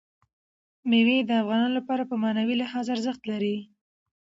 مېوې د افغانانو لپاره په معنوي لحاظ ارزښت لري.